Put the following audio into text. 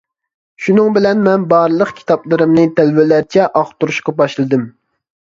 شۇنىڭ بىلەن مەن بارلىق كىتابلىرىمنى تەلۋىلەرچە ئاقتۇرۇشقا باشلىدىم.